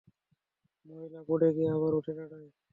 মহিলা পড়ে গিয়ে আবার উঠে দাঁড়ায়।